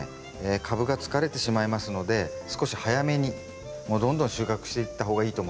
株が疲れてしまいますので少し早めにもうどんどん収穫していった方がいいと思います。